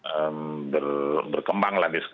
eee berkembanglah diskusi itu